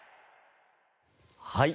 はい。